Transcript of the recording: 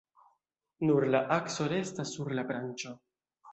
Nur la akso restas sur la branĉo.